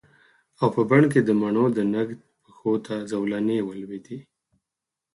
او په بڼ کې د مڼو د نګهت پښو ته زولنې ولویدې